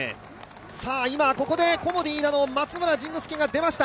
今ここでコモディイイダ・松村陣之助が出ました。